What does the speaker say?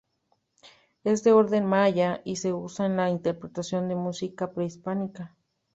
Es de origen maya, y se usa en la interpretación de música prehispánica.